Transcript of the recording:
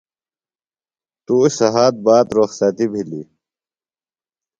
تُوش سھات باد رخصتیۡ بِھلیۡ۔